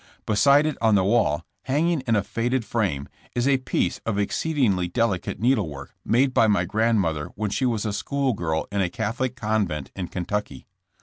Beside it on the wall, hanging in a faded frame, is a piece of exceedingly delicate needlework made by grandmother when she was a school girl in a Catholic convent in Kentucky.